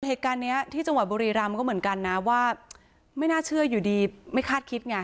เหตุการณ์นี้ที่จังหวัดบุรีรำก็เหมือนกันนะว่าไม่น่าเชื่ออยู่ดีไม่คาดคิดไง